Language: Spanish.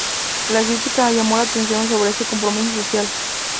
La crítica llamó la atención sobre este compromiso social.